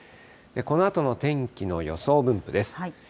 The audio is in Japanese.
このあとの天気の予想分布です。